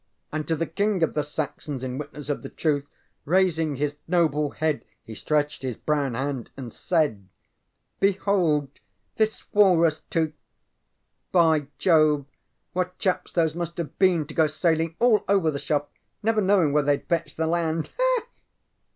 ŌĆ£ŌĆśAnd to the King of the Saxons In witness of the truth, Raising his noble head, He stretched his brown hand and said, ŌĆ£Behold this walrus tooth. ŌĆØ By Jove, what chaps those must have been, to go sailing all over the shop never knowing where theyŌĆÖd fetch the land!